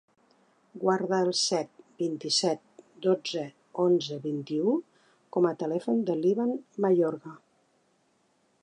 Guarda el set, vint-i-set, dotze, onze, vint-i-u com a telèfon de l'Evan Mayorga.